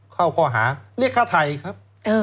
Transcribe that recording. เข้าข้อหาเรียกฆ่าไทยครับ